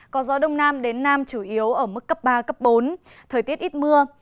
có gió đông nam đến nam chủ yếu ở mức cấp ba cấp bốn thời tiết ít mưa